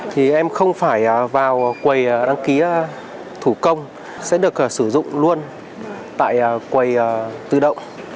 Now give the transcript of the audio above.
thì em không phải vào quầy đăng ký thủ công sẽ được sử dụng luôn tại quầy tự động